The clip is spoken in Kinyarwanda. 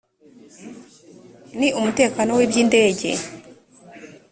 n umutekano w iby indege